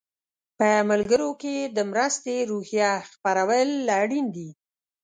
په ملګرو کې د مرستې روحیه خپرول اړین دي.